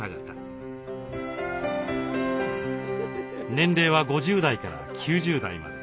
年齢は５０代から９０代まで。